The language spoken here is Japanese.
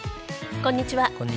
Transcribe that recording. こんにちは。